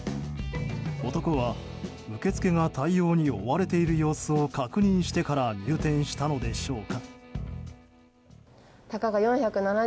男は受け付けが対応に追われている様子を確認してから入店したのでしょうか。